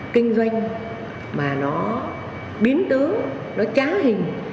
kinh doanh mà nó biến tướng nó trá hình